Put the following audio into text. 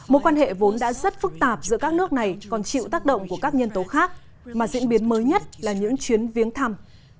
mối quan hệ vốn đã rất phức tạp giữa các nước này còn chịu tác động của các nhân tố khác mà diễn biến mới nhất là những chuyến viếng thăm